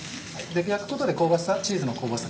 焼くことで香ばしさチーズの香ばしさ